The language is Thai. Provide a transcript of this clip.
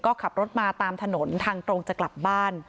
ก็ขับรถมาตามถนนทางตรงจะกลับบ้าน